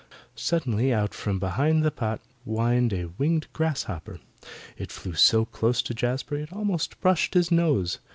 Suddenly out from behind the pot whined a winged grasshopper. It flew so close to Jazbury it almost brushed his nose.